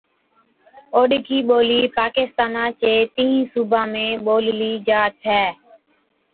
اوڏڪِي ٻولِي پاڪستانا چي تِينهِين صُوبان ۾ ٻوللِي جا ڇَي